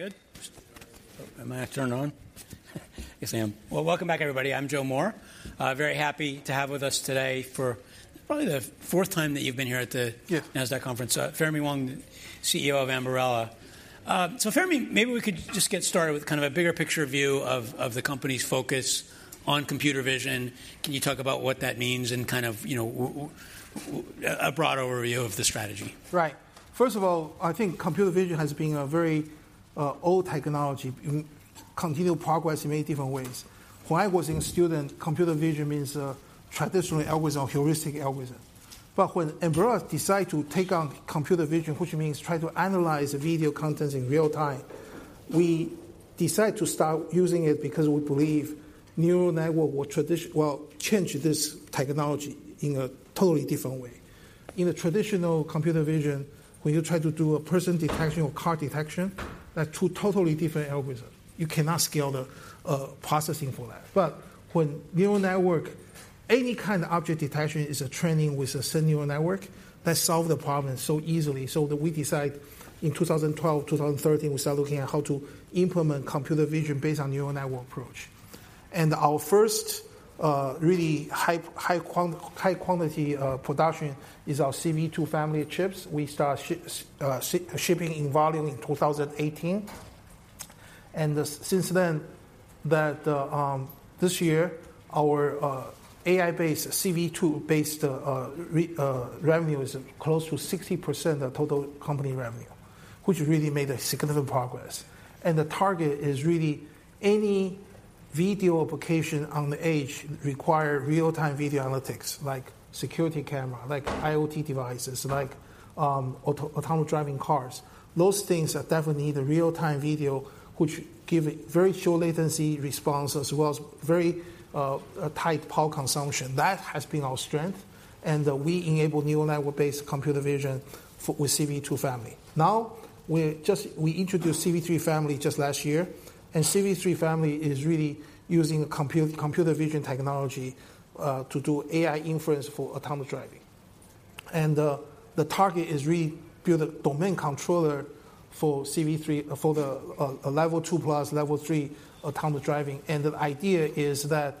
We good? Am I turned on? Yes, I am. Well, welcome back, everybody. I'm Joe Moore. Very happy to have with us today for probably the fourth time that you've been here at the- Yeah Nasdaq conference, Fermi Wang, CEO of Ambarella. So, Fermi, maybe we could just get started with kind of a bigger picture view of the company's focus on computer vision. Can you talk about what that means and kind of, you know, a broad overview of the strategy? Right. First of all, I think computer vision has been a very old technology, continued progress in many different ways. When I was a student, computer vision means traditionally algorithm, heuristic algorithm. But when Ambarella decide to take on computer vision, which means try to analyze video content in real time, we decide to start using it because we believe neural network will change this technology in a totally different way. In a traditional computer vision, when you try to do a person detection or car detection, that two totally different algorithm, you cannot scale the processing for that. But when neural network, any kind of object detection is a training with a certain neural network, that solve the problem so easily. So that we decide in 2012, 2013, we start looking at how to implement computer vision based on neural network approach. Our first really high-quality production is our CV2 family chips. We started shipping in volume in 2018, and since then, this year, our AI-based, CV2-based revenue is close to 60% of total company revenue, which really made a significant progress. The target is really any video application on the edge require real-time video analytics, like security camera, like IoT devices, like autonomous driving cars. Those things are definitely need a real-time video, which give very low latency response, as well as very tight power consumption. That has been our strength, and we enable neural network-based computer vision with CV2 family. Now, we just introduced CV3 family just last year, and CV3 family is really using computer vision technology to do AI inference for autonomous driving. And the target is really build a domain controller for CV3, for the level two plus, level three autonomous driving. And the idea is that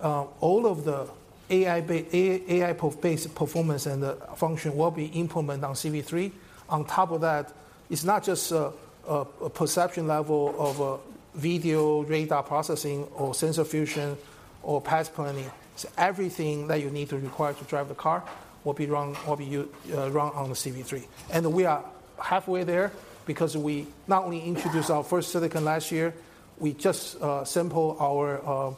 all of the AI-based performance and the function will be implemented on CV3. On top of that, it's not just a perception level of a video, radar processing or sensor fusion or path planning. It's everything that you need to require to drive the car will be run on the CV3. We are halfway there because we not only introduced our first silicon last year, we just sample our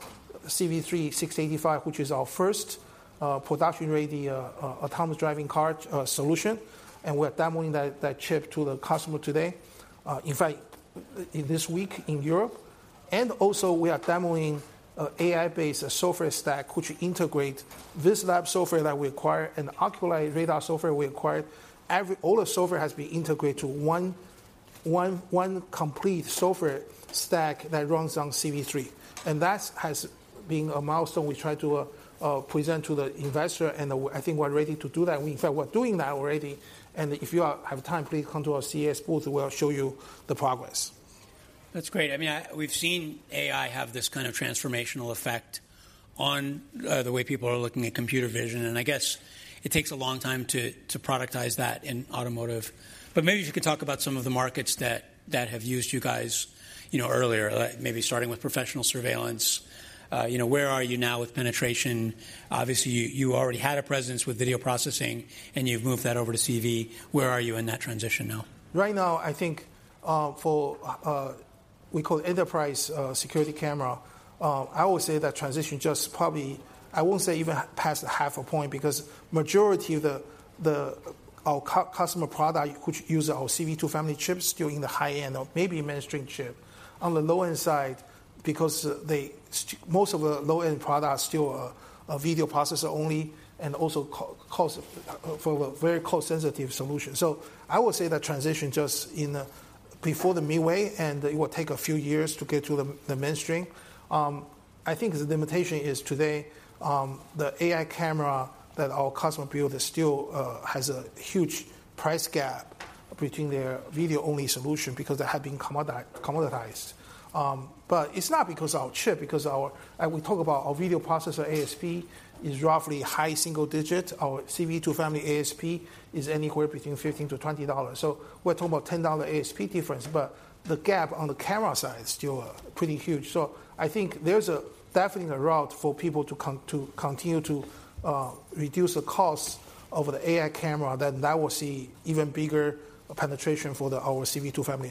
CV3-AD685, which is our first production-ready autonomous driving car solution, and we're demoing that chip to the customer today. In fact, this week in Europe, and also we are demoing AI-based software stack, which integrate VisLab software that we acquired and Oculii radar software we acquired. All the software has been integrated to one complete software stack that runs on CV3, and that has been a milestone we try to present to the investor, and I think we're ready to do that. In fact, we're doing that already, and if you have time, please come to our CES booth. We'll show you the progress. That's great. I mean, we've seen AI have this kind of transformational effect on the way people are looking at computer vision, and I guess it takes a long time to productize that in automotive. But maybe if you could talk about some of the markets that have used you guys, you know, earlier, like maybe starting with professional surveillance. You know, where are you now with penetration? Obviously, you already had a presence with video processing, and you've moved that over to CV. Where are you in that transition now? Right now, I think, for, we call enterprise, security camera, I would say that transition just probably, I won't say even past the half a point, because majority of the, the, our customer product, which use our CV2 family chips, still in the high-end or maybe mainstream chip. On the low-end side, because they most of the low-end products are still a, a video processor only and also cost, for a very cost-sensitive solution. So I would say that transition just in the before the midway, and it will take a few years to get to the, the mainstream. I think the limitation is today, the AI camera that our customer build is still, has a huge price gap between their video-only solution because they have been commoditized. But it's not because our chip. I will talk about our video processor ASP is roughly high single digits. Our CV2 family ASP is anywhere between $15-$20. So we're talking about $10 ASP difference, but the gap on the camera side is still pretty huge. So I think there's definitely a route for people to continue to reduce the cost of the AI camera. Then that will see even bigger penetration for our CV2 family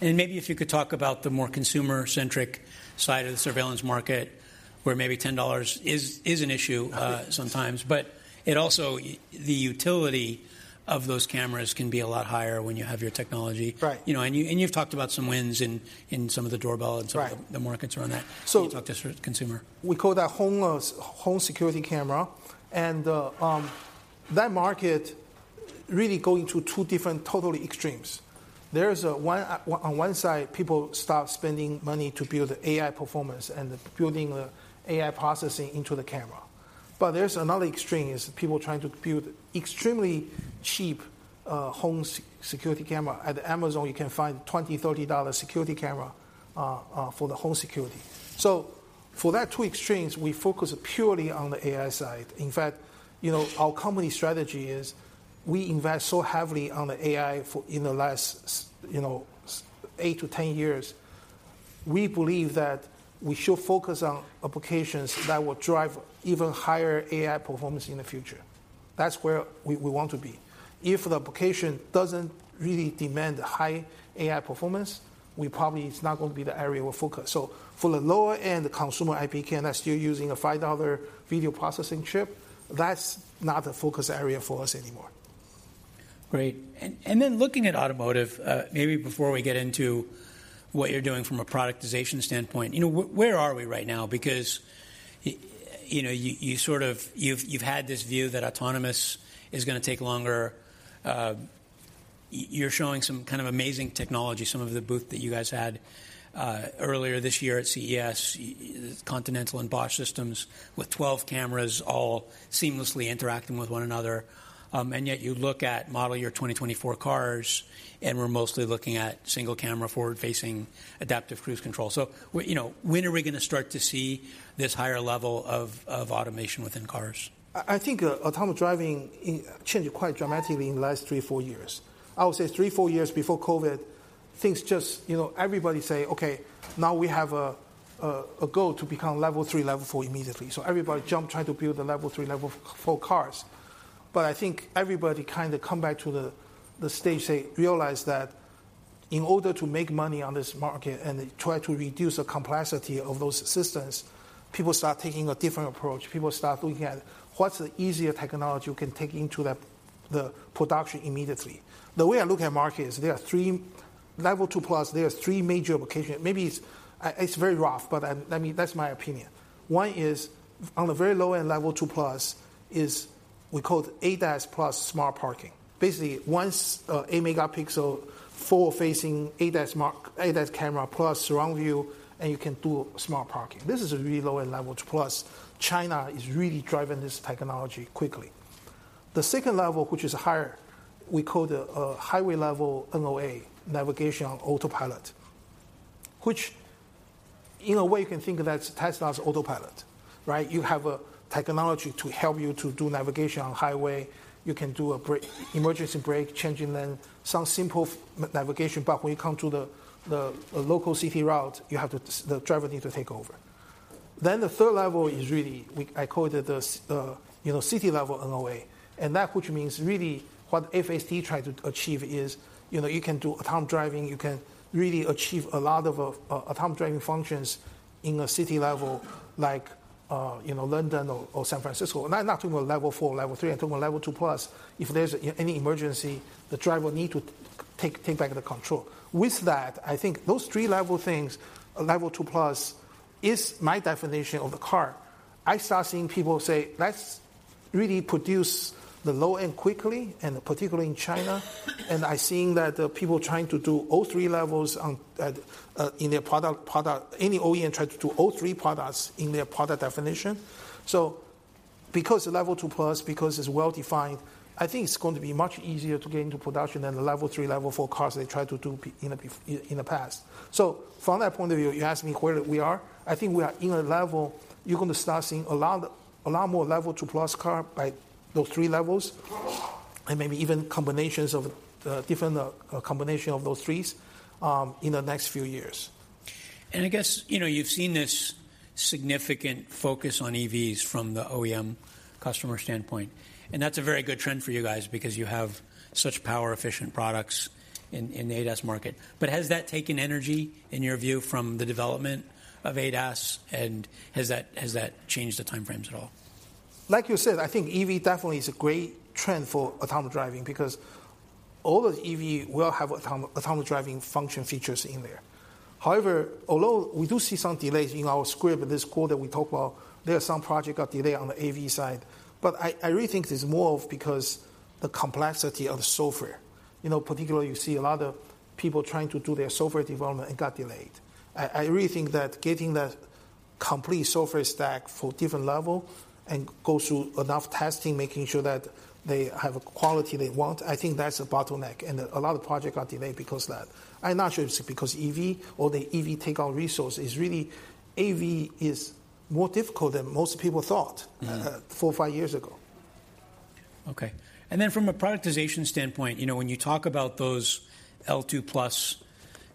chip. Maybe if you could talk about the more consumer-centric side of the surveillance market, where maybe $10 is an issue- Right... sometimes. But it also, the utility of those cameras can be a lot higher when you have your technology. Right. You know, and you've talked about some wins in some of the doorbell- Right - and some of the markets around that. So- Can you talk to consumer? We call that home security camera, and that market really go into two different, totally extremes. There is one on one side, people start spending money to build AI performance and building the AI processing into the camera. But there's another extreme, is people trying to build extremely cheap home security camera. At Amazon, you can find $20-$30 security camera for the home security. So for that two extremes, we focus purely on the AI side. In fact, you know, our company strategy is we invest so heavily on the AI for, in the last you know, 8-10 years. We believe that we should focus on applications that will drive even higher AI performance in the future. That's where we want to be. If the application doesn't really demand high AI performance, it's not gonna be the area of focus. So for the lower-end consumer IP camera still using a $5 video processing chip, that's not a focus area for us anymore. Great. And then looking at automotive, maybe before we get into what you're doing from a productization standpoint, you know, where are we right now? Because, you know, you sort of you've had this view that autonomous is gonna take longer. You're showing some kind of amazing technology, some of the booth that you guys had, earlier this year at CES, Continental and Bosch systems, with 12 cameras all seamlessly interacting with one another. And yet you look at model year 2024 cars, and we're mostly looking at single-camera, forward-facing adaptive cruise control. So you know, when are we gonna start to see this higher level of automation within cars? I think, autonomous driving changed quite dramatically in the last 3, 4 years. I would say 3, 4 years before COVID, things just... You know, everybody say, "Okay, now we have a goal to become level 3, level 4 immediately." So everybody jump, trying to build the level 3, level four cars. But I think everybody kinda come back to the stage, they realize that in order to make money on this market and try to reduce the complexity of those systems, people start taking a different approach. People start looking at what's the easier technology we can take into the production immediately? The way I look at market is there are 3 level 2+, there are 3 major applications. Maybe it's, it's very rough, but, I mean, that's my opinion. One is, on the very low end, Level 2+, which we call ADAS plus smart parking. Basically, one megapixel forward-facing ADAS camera plus surround view, and you can do smart parking. This is a really low-end Level 2+. China is really driving this technology quickly. The second level, which is higher, we call the highway level NOA, navigation on autopilot, which in a way you can think of that's Tesla's Autopilot, right? You have a technology to help you to do navigation on highway. You can do emergency brake, changing lane, some simple navigation, but when you come to the local city route, you have to, the driver need to take over. Then, the third level is really, I call it, you know, city level NOA, and that which means really what FSD try to achieve is, you know, you can do autonomous driving, you can really achieve a lot of, autonomous driving functions in a city level, like, you know, London or San Francisco. Not talking about level four, level three, I'm talking about level two plus. If there's any emergency, the driver need to take back the control. With that, I think those three level things, level 2+, is my definition of the car. I start seeing people say, "Let's really produce the low end quickly," and particularly in China, and I'm seeing that people trying to do all three levels in their product, any OEM try to do all three products in their product definition. So because the level 2+, because it's well defined, I think it's going to be much easier to get into production than the level three, level four cars they tried to do in the past. So from that point of view, you're asking me where we are? I think we are in a level, you're gonna start seeing a lot, a lot more level two plus car by those three levels, and maybe even combinations of the different combination of those threes in the next few years. I guess, you know, you've seen this significant focus on EVs from the OEM customer standpoint, and that's a very good trend for you guys because you have such power-efficient products in the ADAS market. But has that taken energy, in your view, from the development of ADAS, and has that changed the time frames at all? Like you said, I think EV definitely is a great trend for autonomous driving because all the EV will have autonomous driving function features in there. However, although we do see some delays in our script, this quarter we talk about, there are some project got delayed on the AV side. But I, I really think it's more of because the complexity of the software. You know, particularly, you see a lot of people trying to do their software development and got delayed. I, I really think that getting that complete software stack for different level and go through enough testing, making sure that they have a quality they want, I think that's a bottleneck, and a lot of project got delayed because that. I'm not sure if it's because EV or the EV take our resource. It's really AV is more difficult than most people thought- Mm-hmm... 4-5 years ago. Okay. And then from a productization standpoint, you know, when you talk about those L2+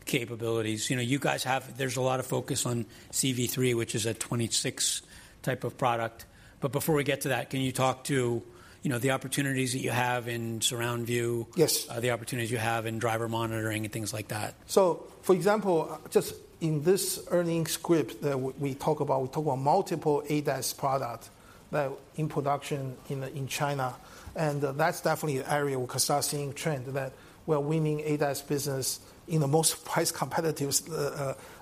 capabilities, you know, you guys have—there's a lot of focus on CV3, which is a 26 type of product. But before we get to that, can you talk to, you know, the opportunities that you have in surround view? Yes. The opportunities you have in driver monitoring and things like that. So, for example, just in this earnings script that we talk about, we talk about multiple ADAS products that are in production in China, and that's definitely an area we can start seeing a trend that we're winning ADAS business in the most price competitive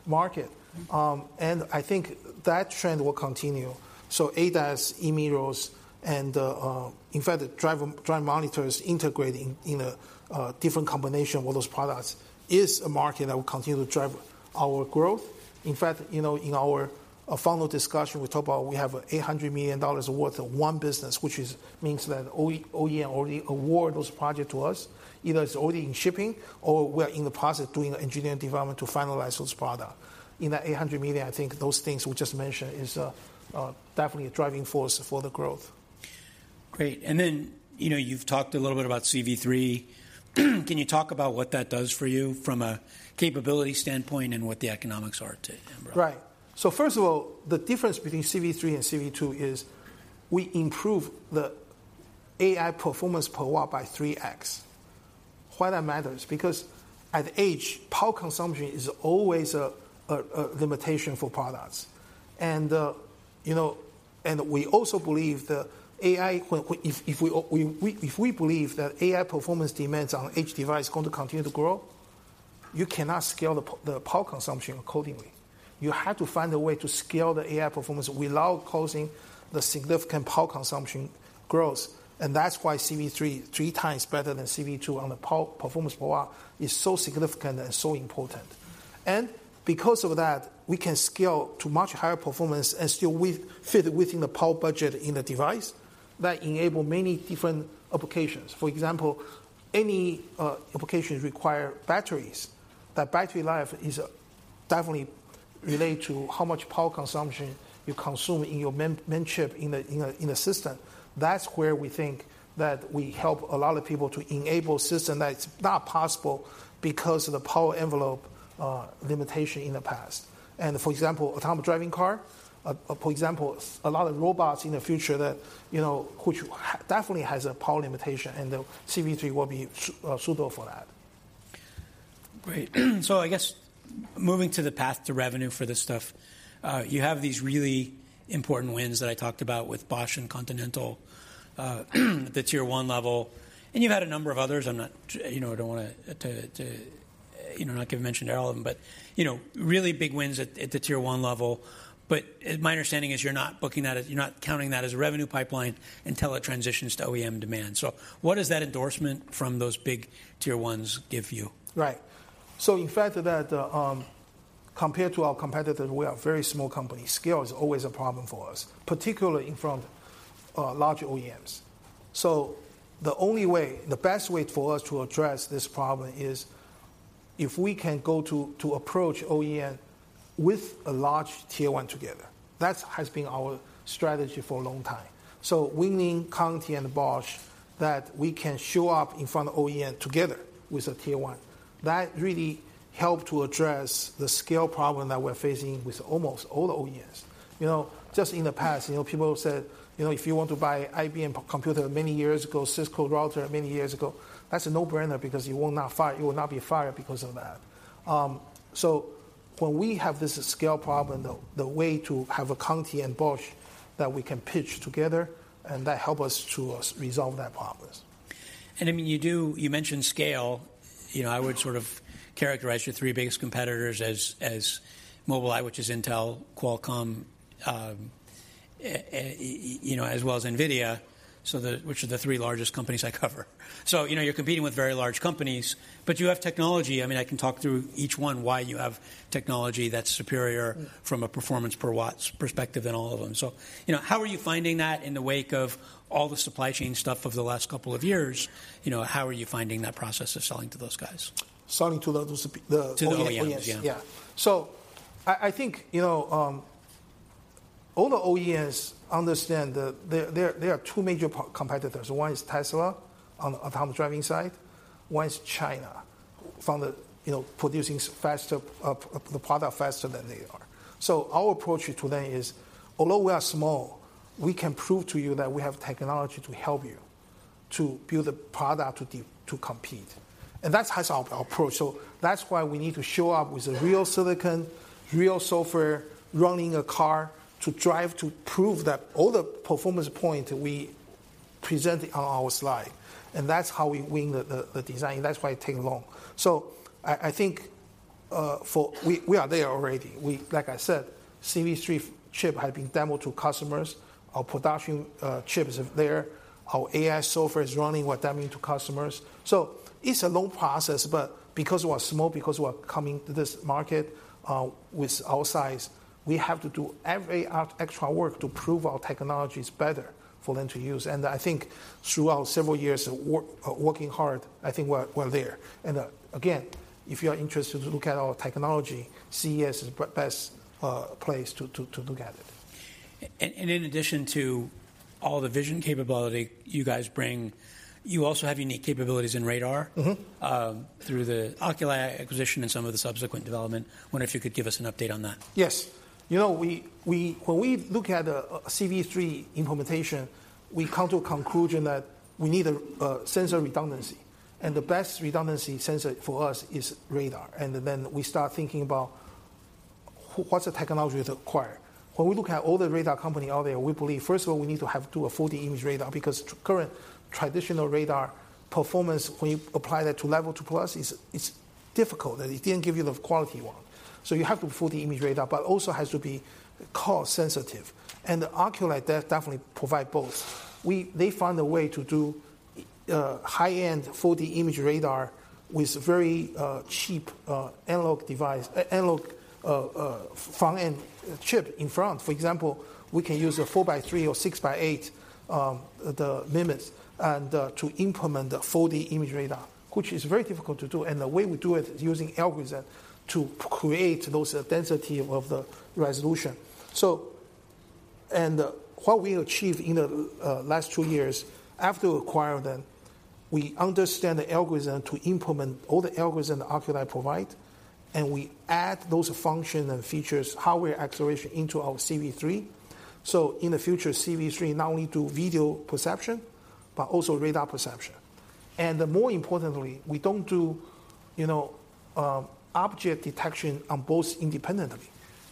market. I think that trend will continue. So ADAS, e-mirrors. And in fact, the driver monitor integrating in a different combination with those products is a market that will continue to drive our growth. In fact, you know, in our final discussion, we talked about we have $800 million worth of won business, which means that OEM already award those projects to us. Either it's already in shipping or we're in the process of doing engineering development to finalize those products. In that $800 million, I think those things we just mentioned is definitely a driving force for the growth. Great. And then, you know, you've talked a little bit about CV3. Can you talk about what that does for you from a capability standpoint and what the economics are to Ambarella? Right. So first of all, the difference between CV3 and CV2 is we improve the AI performance per watt by 3x. Why that matters? Because at the edge, power consumption is always a limitation for products. And you know, we also believe that AI performance demands on each device is going to continue to grow, you cannot scale the power consumption accordingly. You have to find a way to scale the AI performance without causing the significant power consumption growth, and that's why CV3, 3x better than CV2 on the power performance per watt, is so significant and so important. And because of that, we can scale to much higher performance and still fit within the power budget in the device. That enable many different applications. For example, any applications require batteries. That battery life is definitely related to how much power consumption you consume in your main chip, in a system. That's where we think that we help a lot of people to enable system that it's not possible because of the power envelope, limitation in the past. For example, autonomous driving car, for example, a lot of robots in the future that, you know, which definitely has a power limitation, and the CV3 will be suitable for that. Great. So I guess moving to the path to revenue for this stuff, you have these really important wins that I talked about with Bosch and Continental, the Tier 1 level, and you've had a number of others. I'm not, you know, I don't wanna, to, to, you know, not give mention to all of them, but, you know, really big wins at, at the Tier 1 level. But, my understanding is you're not booking that as, you're not counting that as a revenue pipeline until it transitions to OEM demand. So what does that endorsement from those big Tier 1s give you? Right. So in fact, that compared to our competitors, we are a very small company. Scale is always a problem for us, particularly in front of large OEMs. So the only way, the best way for us to address this problem is if we can go to approach OEM with a large Tier One together. That has been our strategy for a long time. So winning Continental and Bosch, that we can show up in front of OEM together with a Tier One, that really helped to address the scale problem that we're facing with almost all the OEMs. You know, just in the past, you know, people said, "You know, if you want to buy IBM computer many years ago, Cisco router many years ago, that's a no-brainer because you will not fire, you will not be fired because of that." So when we have this scale problem, the way to have a Continental and Bosch, that we can pitch together, and that help us to resolve that problems. And, I mean, you do-- You mentioned scale. You know, I would sort of characterize your three biggest competitors as Mobileye, which is Intel, Qualcomm, you know, as well as NVIDIA, so the, which are the three largest companies I cover. So, you know, you're competing with very large companies, but you have technology. I mean, I can talk through each one, why you have technology that's superior- Mm. from a performance per watts perspective than all of them. So, you know, how are you finding that in the wake of all the supply chain stuff over the last couple of years, you know, how are you finding that process of selling to those guys? Selling to the, those p- To the OEMs, yeah. Yeah. So I think, you know, all the OEMs understand that there are two major competitors. One is Tesla on the autonomous driving side, one is China, from the, you know, producing faster, the product faster than they are. So our approach to them today is, although we are small, we can prove to you that we have technology to help you to build a product to compete. And that has our approach. So that's why we need to show up with a real silicon, real software, running a car, to drive, to prove that all the performance point we present on our slide. And that's how we win the design, that's why it take long. So I think, for... We are there already. We, like I said, CV3 chip have been demoed to customers. Our production chips are there. Our AI software is running, what that mean to customers. So it's a long process, but because we are small, because we are coming to this market with our size, we have to do every extra work to prove our technology is better for them to use. And I think throughout several years of work, working hard, I think we're there. And again, if you are interested to look at our technology, CES is the best place to look at it. And in addition to all the vision capability you guys bring, you also have unique capabilities in radar- Mm-hmm. through the Oculii acquisition and some of the subsequent development. I wonder if you could give us an update on that. Yes. You know, when we look at a CV3 implementation, we come to a conclusion that we need a sensor redundancy, and the best redundancy sensor for us is radar. And then we start thinking about what's the technology to acquire? When we look at all the radar company out there, we believe, first of all, we need to have a 4D imaging radar, because current traditional radar performance, when you apply that to Level 2+, is difficult, and it didn't give you the quality one. So you have to full 4D imaging radar, but also has to be cost sensitive. And the Oculii, that definitely provide both. They find a way to do high-end 4D imaging radar with very cheap analog device, analog front-end chip in front. For example, we can use a 4 by 3 or 6 by 8, the limits, and to implement the 4D imaging radar, which is very difficult to do. The way we do it is using algorithm to create those density of the resolution. What we achieved in the last 2 years, after acquiring them, we understand the algorithm to implement all the algorithm the Oculii provide, and we add those function and features, hardware acceleration, into our CV3. In the future, CV3 not only do video perception, but also radar perception. More importantly, we don't do, you know, object detection on both independently.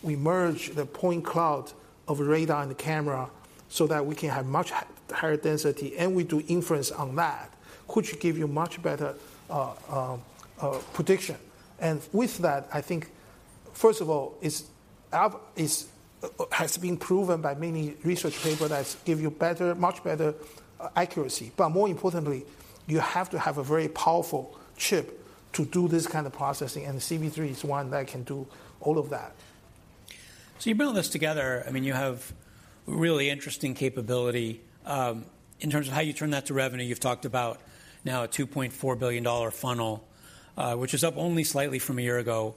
We merge the point cloud of radar and the camera so that we can have much higher density, and we do inference on that, which give you much better prediction. And with that, I think, first of all, it has been proven by many research papers that give you better, much better accuracy. But more importantly, you have to have a very powerful chip to do this kind of processing, and the CV3 is one that can do all of that. So you build this together, I mean, you have really interesting capability. In terms of how you turn that to revenue, you've talked about now a $2.4 billion funnel, which is up only slightly from a year ago.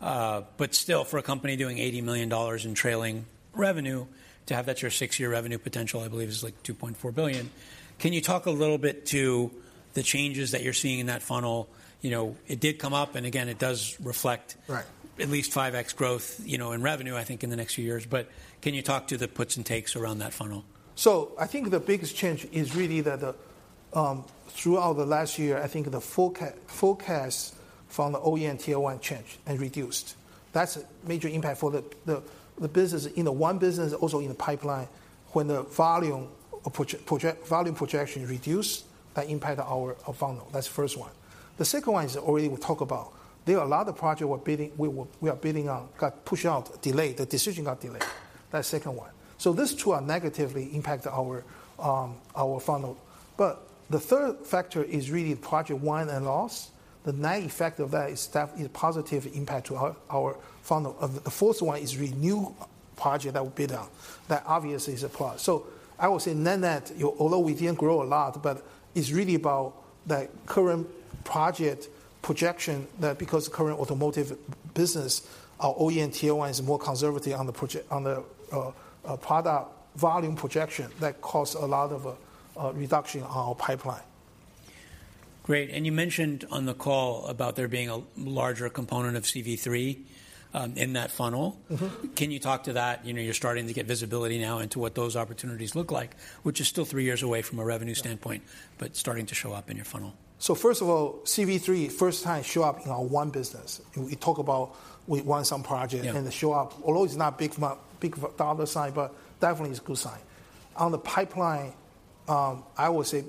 But still, for a company doing $80 million in trailing revenue, to have that's your six-year revenue potential, I believe, is like $2.4 billion. Can you talk a little bit to the changes that you're seeing in that funnel? You know, it did come up, and again, it does reflect- Right. At least 5x growth, you know, in revenue, I think, in the next few years. But can you talk to the puts and takes around that funnel? So I think the biggest change is really that the throughout the last year, I think the forecast from the OEM Tier One changed and reduced. That's a major impact for the business, in the one business, also in the pipeline, when the volume projection reduce, that impact our funnel. That's the first one. The second one is already we talk about. There are a lot of project we're bidding on, got pushed out, delayed. The decision got delayed. That's second one. So these two are negatively impact our funnel. But the third factor is really project won and loss. The net effect of that is that is a positive impact to our funnel. The fourth one is really new project that will bid on. That obviously is a plus. So I would say net net, although we didn't grow a lot, but it's really about the current project projection, that because current automotive business, our OEM Tier One is more conservative on the projection. That cause a lot of reduction on our pipeline. Great. And you mentioned on the call about there being a larger component of CV3 in that funnel. Mm-hmm. Can you talk to that? You know, you're starting to get visibility now into what those opportunities look like, which is still three years away from a revenue standpoint, but starting to show up in your funnel. First of all, CV3 first time show up in our one business. We talk about we won some project- Yeah... and they show up, although it's not big dollar sign, but definitely it's a good sign. On the pipeline, I would say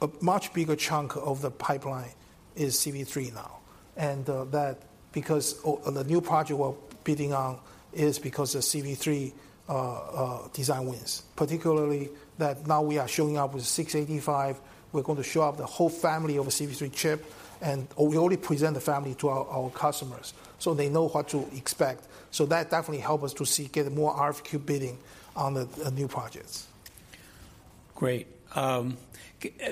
a much bigger chunk of the pipeline is CV3 now, and that because the new project we're bidding on is because the CV3 design wins. Particularly, that now we are showing up with 685. We're going to show up the whole family of a CV3 chip, and we already present the family to our customers, so they know what to expect. So that definitely help us to get more RFQ bidding on the new projects. Great.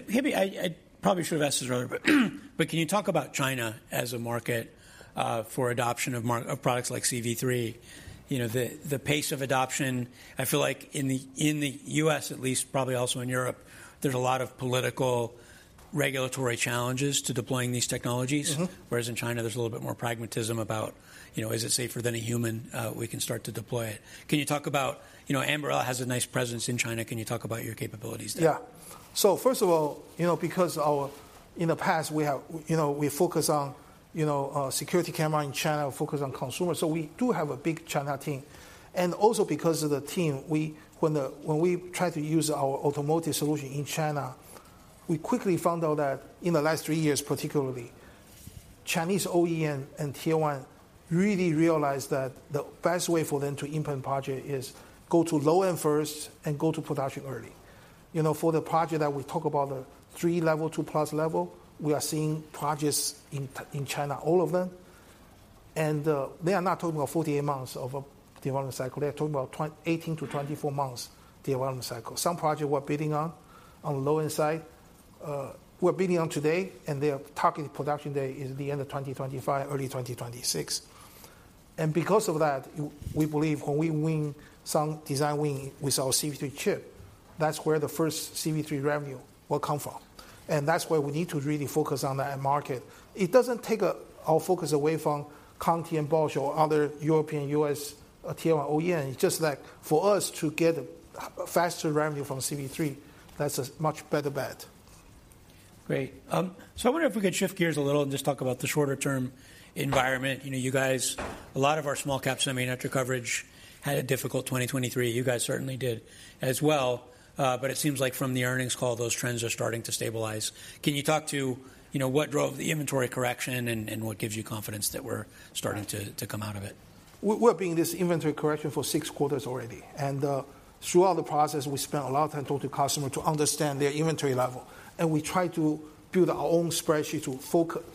Maybe I probably should have asked this earlier, but can you talk about China as a market for adoption of products like CV3? You know, the pace of adoption, I feel like in the U.S. at least, probably also in Europe, there's a lot of political regulatory challenges to deploying these technologies. Mm-hmm. Whereas in China, there's a little bit more pragmatism about, you know, is it safer than a human? We can start to deploy it. Can you talk about, you know, Ambarella has a nice presence in China. Can you talk about your capabilities there? Yeah. So first of all, you know, because our, in the past, we have, you know, we focus on, you know, security camera in China, focus on consumer, so we do have a big China team. And also, because of the team, when we try to use our automotive solution in China, we quickly found out that in the last 3 years, particularly, Chinese OEM and Tier 1 really realized that the best way for them to implement project is go to low-end first and go to production early. You know, for the project that we talk about, the three level, two plus level, we are seeing projects in China, all of them, and they are not talking about 48 months of development cycle. They are talking about 18-24 months development cycle. Some project we're bidding on, on the low-end side, we're bidding on today, and their targeted production day is the end of 2025, early 2026. And because of that, we believe when we win some design win with our CV3 chip, that's where the first CV3 revenue will come from, and that's why we need to really focus on that end market. It doesn't take our focus away from Continental and Bosch or other European, U.S., Tier One OEM. It's just like for us to get a faster revenue from CV3, that's a much better bet. Great. So I wonder if we could shift gears a little and just talk about the shorter term environment. You know, you guys, a lot of our small-cap semiconductor coverage had a difficult 2023. You guys certainly did as well, but it seems like from the earnings call, those trends are starting to stabilize. Can you talk to, you know, what drove the inventory correction and what gives you confidence that we're starting to come out of it? ... We're being this inventory correction for six quarters already, and throughout the process, we spent a lot of time talking to customer to understand their inventory level. We try to build our own spreadsheet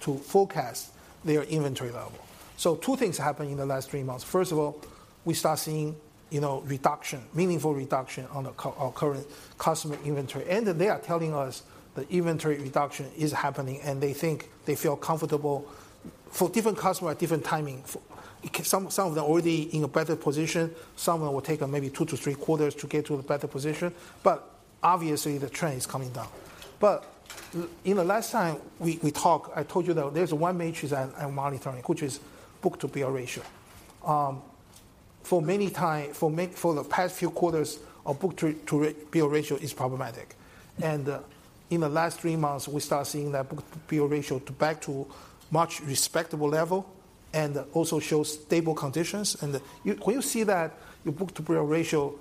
to forecast their inventory level. So two things happened in the last three months. First of all, we start seeing, you know, reduction, meaningful reduction on our current customer inventory. And then they are telling us the inventory reduction is happening, and they think they feel comfortable for different customer at different timing. For some, some of them are already in a better position, some of them will take maybe two to three quarters to get to a better position, but obviously the trend is coming down. But in the last time we talked, I told you that there's one metric I'm monitoring, which is book-to-bill ratio. For the past few quarters, our book-to-bill ratio is problematic. In the last three months, we start seeing that book-to-bill ratio to back to much respectable level and also shows stable conditions. When you see that your book-to-bill ratio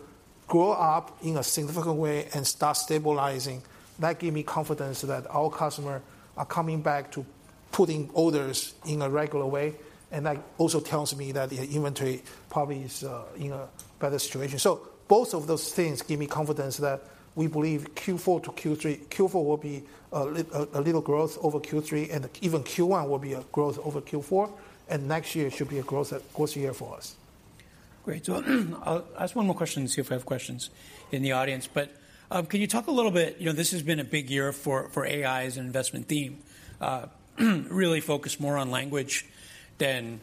grow up in a significant way and start stabilizing, that give me confidence that our customer are coming back to putting orders in a regular way. That also tells me that the inventory probably is in a better situation. So both of those things give me confidence that we believe Q4 will be a little growth over Q3, and even Q1 will be a growth over Q4, and next year should be a growth year for us. Great. So I'll ask one more question and see if we have questions in the audience. But, can you talk a little bit, you know, this has been a big year for AI as an investment theme, really focused more on language than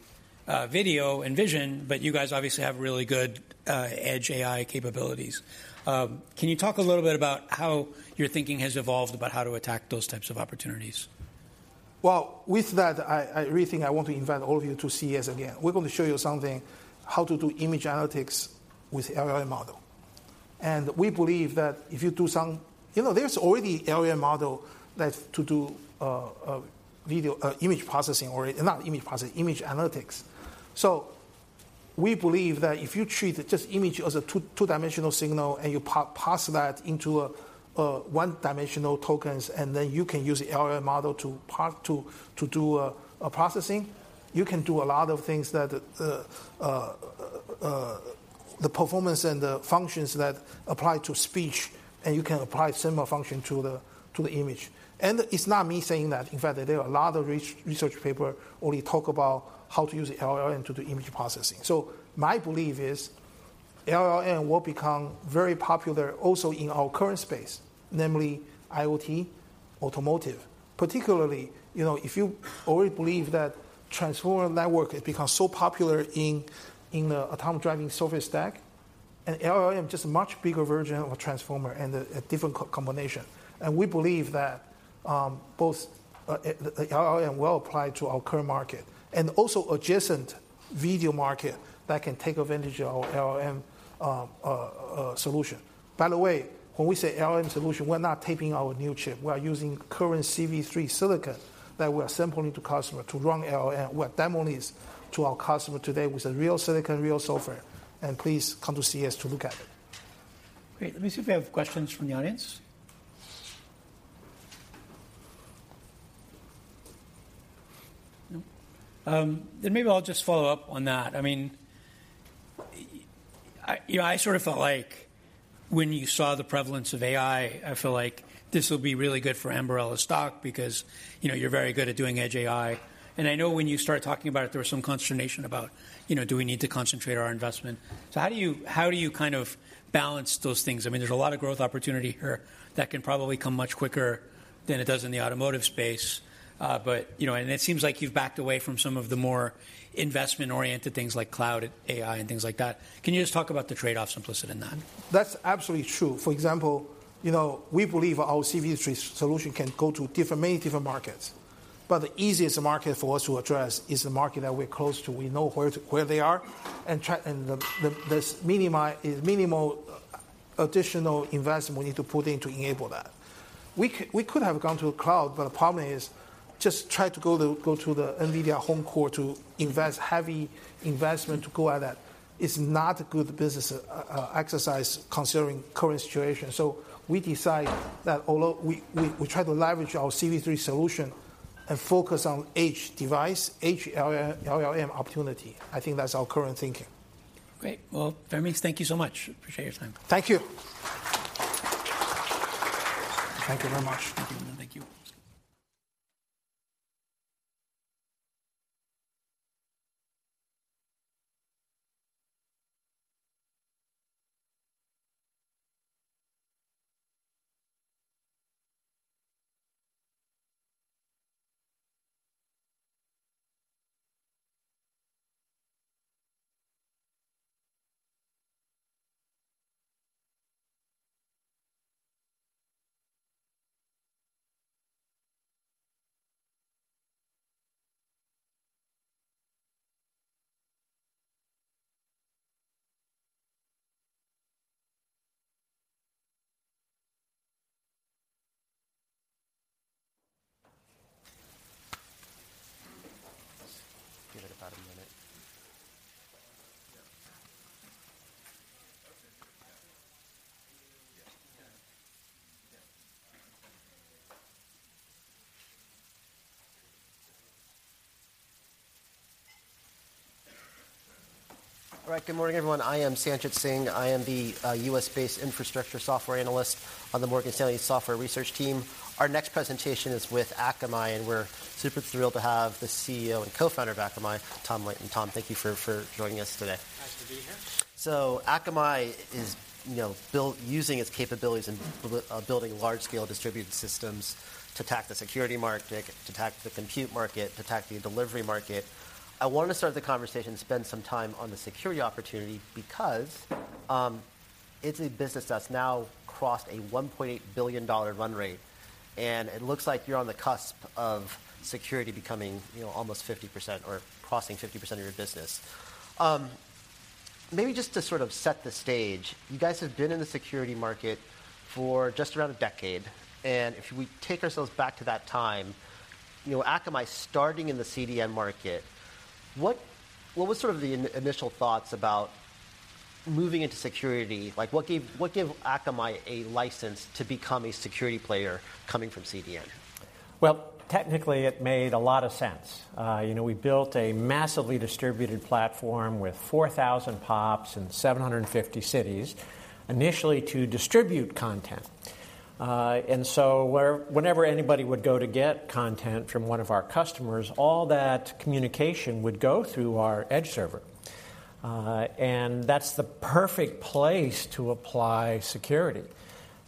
video and vision, but you guys obviously have really good edge AI capabilities. Can you talk a little bit about how your thinking has evolved about how to attack those types of opportunities? Well, with that, I really think I want to invite all of you to see us again. We're going to show you something, how to do image analytics with LLM model. And we believe that if you do some... You know, there's already LLM model that to do video image processing or not image processing, image analytics. So we believe that if you treat just image as a two-dimensional signal, and you pass that into a one-dimensional tokens, and then you can use the LLM model to do a processing, you can do a lot of things that the performance and the functions that apply to speech, and you can apply similar function to the image. And it's not me saying that. In fact, there are a lot of research paper already talk about how to use the LLM to do image processing. So my belief is LLM will become very popular also in our current space, namely IoT, automotive. Particularly, you know, if you already believe that transformer network has become so popular in, in the autonomous driving software stack, and LLM is just a much bigger version of a transformer and a different combination. And we believe that both LLM will apply to our current market and also adjacent video market that can take advantage of LLM solution. By the way, when we say LLM solution, we're not taking our new chip. We are using current CV3 silicon that we are sampling to customer to run LLM. We have demoed this to our customer today with a real silicon, real software, and please come to see us to look at it. Great. Let me see if we have questions from the audience. Then maybe I'll just follow up on that. I mean, I, you know, I sort of felt like when you saw the prevalence of AI, I feel like this will be really good for Ambarella stock because, you know, you're very good at doing edge AI. And I know when you started talking about it, there was some consternation about, you know, do we need to concentrate our investment? So how do you, how do you kind of balance those things? I mean, there's a lot of growth opportunity here that can probably come much quicker than it does in the automotive space. But, you know, and it seems like you've backed away from some of the more investment-oriented things like cloud AI and things like that. Can you just talk about the trade-offs implicit in that? That's absolutely true. For example, you know, we believe our CV3 solution can go to different, many different markets, but the easiest market for us to address is the market that we're close to. We know where they are, and there's minimal additional investment we need to put in to enable that. We could have gone to the cloud, but the problem is just try to go to, go to the NVIDIA home court to invest heavy investment to go at that is not a good business exercise considering current situation. So we decide that although we try to leverage our CV3 solution and focus on edge device, edge LLM, LLM opportunity. I think that's our current thinking. Great. Well, Fermi, thank you so much. Appreciate your time. Thank you. Thank you very much. Thank you. Thank you. Give it a couple minutes. All right. Good morning, everyone. I am Sanjit Singh. I am the US-based infrastructure software analyst on the Morgan Stanley software research team. Our next presentation is with Akamai, and we're super thrilled to have the CEO and co-founder of Akamai, Tom Leighton. Tom, thank you for, for joining us today. Nice to be here. So Akamai is, you know, built using its capabilities in building large-scale distributed systems to attack the security market, to attack the compute market, to attack the delivery market. I wanted to start the conversation, spend some time on the security opportunity because it's a business that's now crossed a $1.8 billion run rate, and it looks like you're on the cusp of security becoming, you know, almost 50% or crossing 50% of your business. Maybe just to sort of set the stage, you guys have been in the security market for just around a decade, and if we take ourselves back to that time, you know, Akamai starting in the CDN market, what was sort of the initial thoughts about moving into security? Like, what gave Akamai a license to become a security player coming from CDN? Well, technically, it made a lot of sense. You know, we built a massively distributed platform with 4,000 PoPs in 750 cities, initially to distribute content. And so wherever anybody would go to get content from one of our customers, all that communication would go through our edge server. And that's the perfect place to apply security,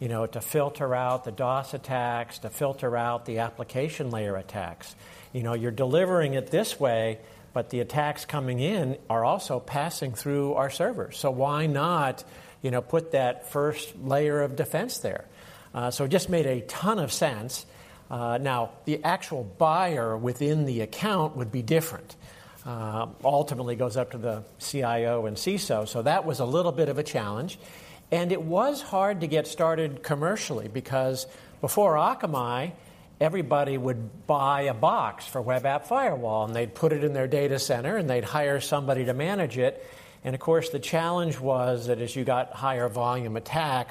you know, to filter out the DoS attacks, to filter out the application layer attacks. You know, you're delivering it this way, but the attacks coming in are also passing through our servers. So why not, you know, put that first layer of defense there? So it just made a ton of sense. Now, the actual buyer within the account would be different. Ultimately, goes up to the CIO and CISO, so that was a little bit of a challenge, and it was hard to get started commercially because before Akamai, everybody would buy a box for web app firewall, and they'd put it in their data center, and they'd hire somebody to manage it. And of course, the challenge was that as you got higher volume attacks-